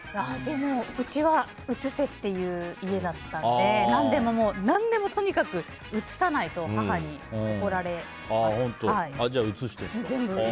うちは移せっていう家だったので何でもとにかく移さないと母に怒られます。